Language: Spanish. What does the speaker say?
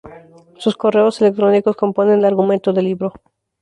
Sus correos electrónicos componen el argumento del libro.